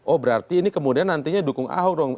oh berarti ini kemudian nantinya dukung ahok dong